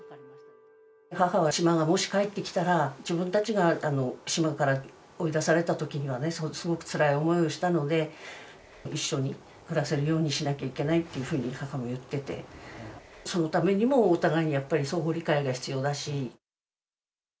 母は、島がもし返ってきたら、自分たちが島から追い出されたときには、すごくつらい思いをしたので、一緒に暮らせるようにしなきゃいけないっていうふうに母も言ってて、そのためにもお互いにやっぱり、相互理解が必要だし。